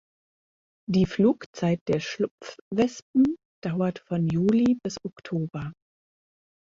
Die Flugzeit der Schlupfwespen dauert von Juli bis Oktober.